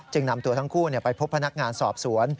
นำตัวทั้งคู่ไปพบพนักงานสอบสวน